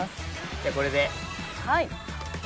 じゃあこれで。